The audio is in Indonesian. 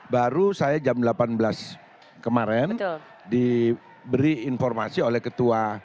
baru saya jam delapan belas kemarin diberi informasi oleh ketua